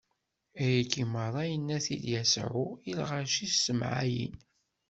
Ayagi meṛṛa, inna-t-id Yasuɛ i lɣaci s temɛayin.